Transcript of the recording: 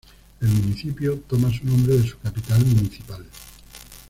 El municipio toma su nombre de su capital municipal.